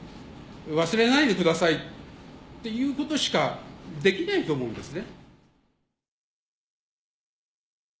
忘れないでくださいっていうことしかできないと思うんですね。